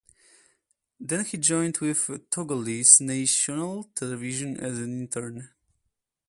Then he joined with Togolese national television as an intern.